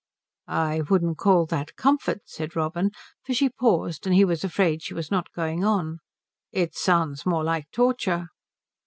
"I wouldn't call that comfort," said Robin, for she paused, and he was afraid she was not going on. "It sounds much more like torture."